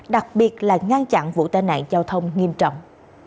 đặc biệt là ngăn chặn vụ tai nạn giao thông nghiêm trọng